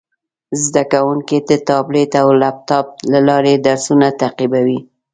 زده کوونکي د ټابلیټ او لپټاپ له لارې درسونه تعقیبوي.